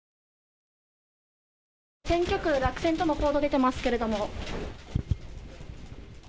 選挙区落選との報道が出ていますけれども。